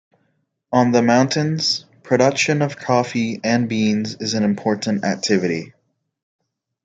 On the mountains, production of coffee and beans is an important activity.